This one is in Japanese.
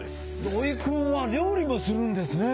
土井君は料理もするんですね！